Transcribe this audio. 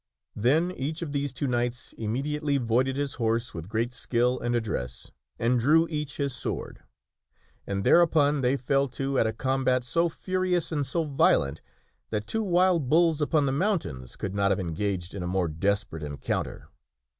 Then each of these two knights immediately voided his horse with great skill and address, and drew each his sword. And thereupon they fell to at a combat, so furious and so violent, that two wild bulls upon the mountains could not have engaged in a more desperate encounter.